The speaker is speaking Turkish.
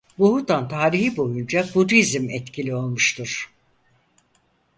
Bhutan tarihi boyunca Budizm etkili olmuştur.